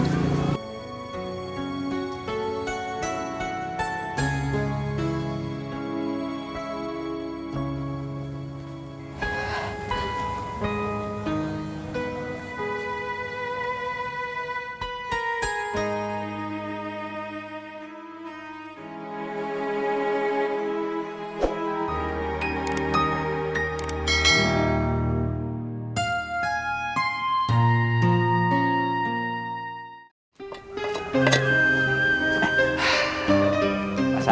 aku mau ke jakarta